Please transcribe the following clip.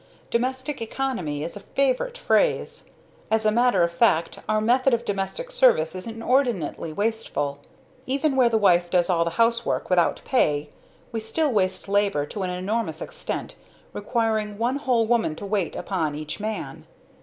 'Domestic economy' is a favorite phrase. As a matter of fact our method of domestic service is inordinately wasteful. Even where the wife does all the housework, without pay, we still waste labor to an enormous extent, requiring one whole woman to wait upon each man.